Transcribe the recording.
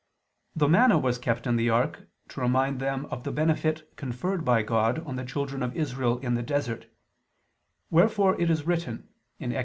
The manna was kept in the ark to remind them of the benefit conferred by God on the children of Israel in the desert; wherefore it is written (Ex.